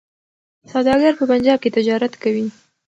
سوداګر په پنجاب کي تجارت کوي.